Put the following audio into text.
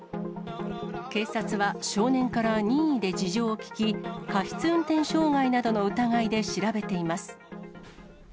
警察は少年から任意で事情を聴き、過失運転傷害などの疑いで調べています。